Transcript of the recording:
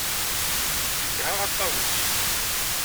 Gedha a Ṭawes!